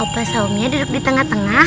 opa saumnya duduk di tengah tengah